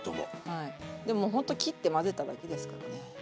はいでもほんと切って混ぜただけですからね。